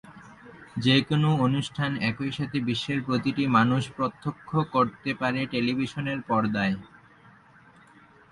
যেকোনো অনুষ্ঠান একই সাথে বিশ্বের প্রতিটি মানুষ প্রত্যক্ষ করতে পারে টেলিভিশনের পর্দায়।